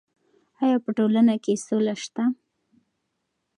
ایا په ټولنه کې سوله شته؟